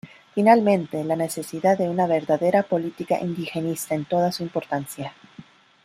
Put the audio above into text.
Finalmente, la necesidad de una verdadera política indigenista en toda su importancia.